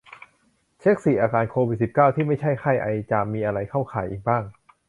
เช็ก สี่ อาการโควิด สิบเก้า ที่ไม่ใช่ไข้ ไอ จาม มีอะไรเข้าข่ายอีกบ้าง